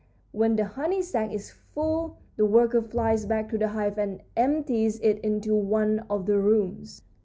When the honey sac is full the worker flies back to the hive and empties it into one of the rooms.